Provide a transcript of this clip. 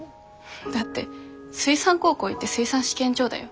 だって水産高校行って水産試験場だよ？